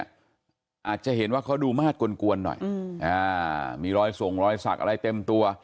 อาจจะเห็นว่าเขาดูมาดกวนหน่อยมีรอยส่งรอยสักอะไรเต็มตัว